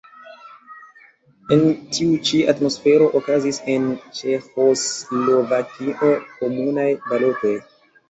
En tiu ĉi atmosfero okazis en Ĉeĥoslovakio komunaj balotoj.